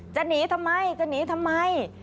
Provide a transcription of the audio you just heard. จะหนีทำไมจะหนีทำไม